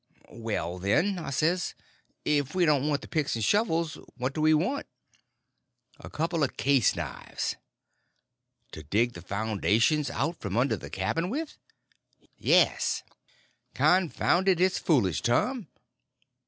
"Well, then," I says, "if we don't want the picks and shovels, what do we want?" "A couple of case knives." "To dig the foundations out from under that cabin with?" "Yes." "Confound it, it's foolish, Tom."